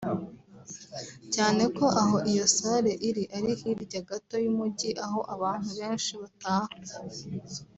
cyane ko aho iyo salle iri ari hirya gato y’umujyi aho abantu benshi bataha